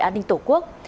an ninh tổ quốc